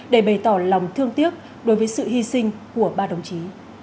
để bày tỏ lòng thương tiếc đối với sự hy sinh của ba đồng chí